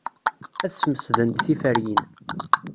Ad smesdent tiferyin.